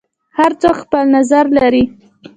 هر څوک خپل نظر لري.